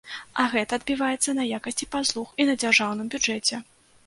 А гэта адбіваецца на якасці паслуг і на дзяржаўным бюджэце.